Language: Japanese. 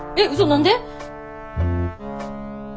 何で！？